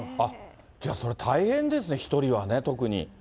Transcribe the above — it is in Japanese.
じゃあそれ、大変ですね、１人はね、特に。